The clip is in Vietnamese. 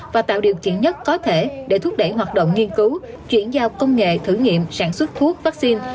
và tạo điều kiện nhất có thể để thúc đẩy hoạt động nghiên cứu chuyển giao công nghệ thử nghiệm sản xuất thuốc vaccine